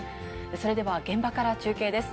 それでは、現場から中継です。